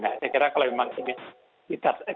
nah saya kira kalau memang ini kita paham